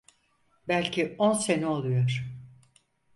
Belki on sene oluyor…